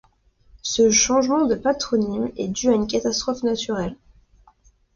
Ce changement de patronyme est dû à une catastrophe naturelle.